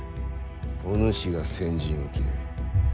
お主が先陣を切れ。